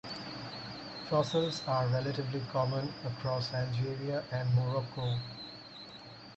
Fossils are relatively common across Algeria and Morocco.